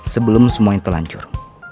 sebelum semuanya terlancur